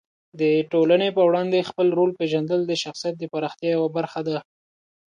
د ټولنې په وړاندې خپل رول پېژندل د شخصیت د پراختیا یوه برخه ده.